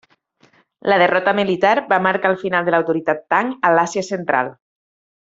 La derrota militar va marcar el final de l'autoritat Tang a l'Àsia Central.